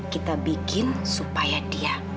kita bikin supaya dia